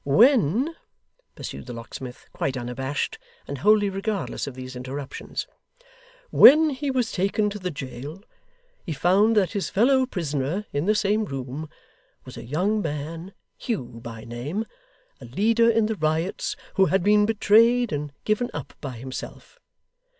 'When,' pursued the locksmith, quite unabashed and wholly regardless of these interruptions, 'when he was taken to the jail, he found that his fellow prisoner, in the same room, was a young man, Hugh by name, a leader in the riots, who had been betrayed and given up by himself.